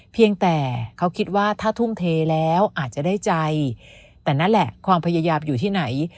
เพียงแต่เขาคิดว่าถ้าทุ่มเทแล้วอาจจะได้ใจแต่นั่นแหละความพยายามอยู่ที่ไหน